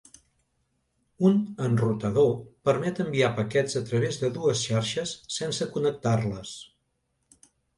Un enrutador permet enviar paquets a través de dues xarxes sense connectar-les